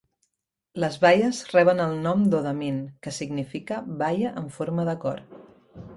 Les baies reben el nom d'Odamin, que significa "baia en forma de cor".